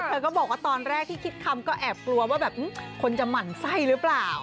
เธอก็บอกว่าตอนแรกที่คิดคำก็แอบกลัวว่าแบบคนจะหมั่นไส้หรือเปล่า